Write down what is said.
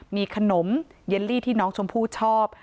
มีขนมเย็นลี่ที่น้องชมพู่ชอบ